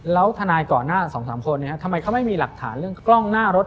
แล้วทนายก่อนหน้า๒๓คนทำไมเขาไม่มีหลักฐานเรื่องกล้องหน้ารถ